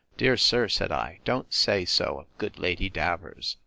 Dear sir, said I, don't say so of good Lady Davers.